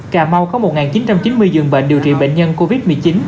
cà mau có một chín trăm chín mươi giường bệnh điều trị bệnh nhân covid một mươi chín